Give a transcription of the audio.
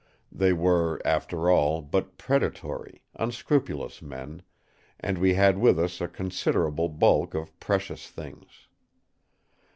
They were, after all, but predatory, unscrupulous men; and we had with us a considerable bulk of precious things.